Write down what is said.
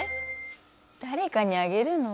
だれかにあげるの？